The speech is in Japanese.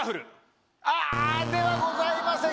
あではございません。